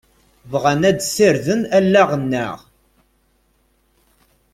Bɣan ad sirden allaɣ-nneɣ.